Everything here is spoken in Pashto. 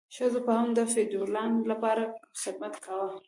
ښځو به هم د فیوډالانو لپاره خدمت کاوه.